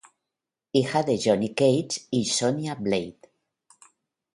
Hija de Johnny Cage y Sonya Blade.